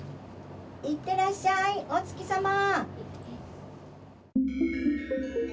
いってらっしゃい、お月さま」。